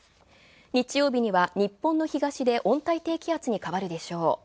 日曜日には日本の東で温帯低気圧に変わるでしょう。